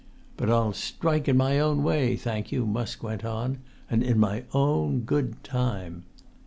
"But I'll strike in my own way, thank you," Musk went on, "and in my own good time.